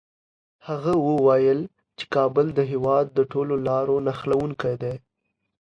هغه وویل چي کابل د هېواد د ټولو لارو نښلوونکی دی.